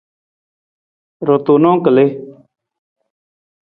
Ra tunang kalii.